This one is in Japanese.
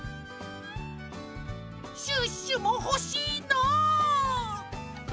シュッシュもほしいな！